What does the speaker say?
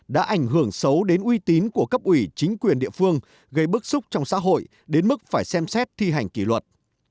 đã ảnh hưởng xấu đến uy tín của cấp ủy chính quyền địa phương gây bức xúc trong xã hội đến mức phải xem xét thi hành kỷ luật